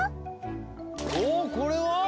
おこれは？